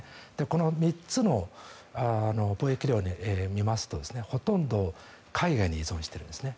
この３つの貿易量を見ますとほとんど海外に依存しているんですね。